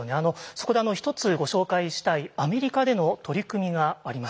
そこで一つご紹介したいアメリカでの取り組みがあります。